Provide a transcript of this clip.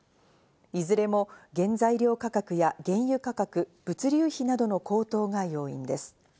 いずれも原材料価格や原油価格、物流費などの高騰が要因です。